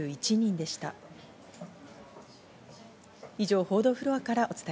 以上、報道フロアからお伝え